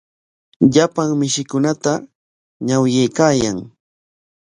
Llapan mishikunata ñawyaykaayan.